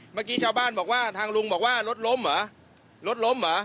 เมื่อกี้ชาวบ้านบอกว่าทางลุงบอกว่ารถล้มเหรอ